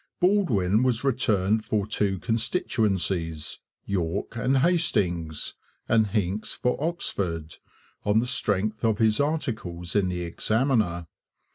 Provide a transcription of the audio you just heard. Baldwin was returned for two constituencies, York and Hastings, and Hincks for Oxford, on the strength of his articles in the Examiner.